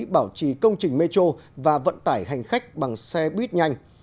bảo trì công trình metro và vận tải hành khách bằng xe buýt nhanh